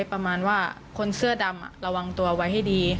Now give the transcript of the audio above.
ประมาณว่าคนเสื้อดำระวังตัวไว้ให้ดี